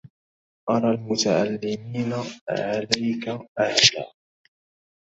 أرى المتعلمين عليك أعدى